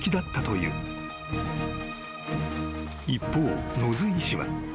［一方野津医師は］